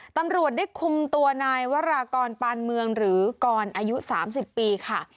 ตำรวจได้คุมตัวนายวรากรปานเมืองหรือกรอายุ๓๐ปีค่ะ